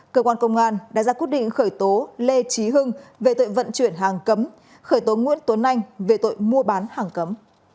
cơ quan công an đã ra quyết định khởi tố lê trí hưng về tội vận chuyển hàng cấm khởi tố nguyễn tuấn anh về tội mua bán hàng cấm